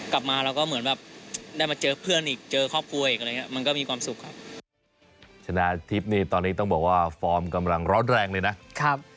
กลับมาเราก็เหมือนแบบได้มาเจอเพื่อนอีกเจอครอบครัวอีกมันก็มีความสุขครับ